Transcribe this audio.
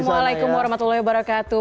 assalamualaikum warahmatullahi wabarakatuh